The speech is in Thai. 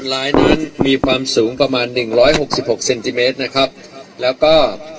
ว่าคนร้ายนั้นมีความสูงประมาณ๑๖๖เซนติเมตรนะครับแล้วก็